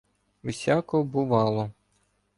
— Всяко бувало.